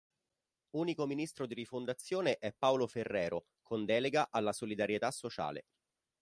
Unico ministro di Rifondazione è Paolo Ferrero, con delega alla Solidarietà Sociale.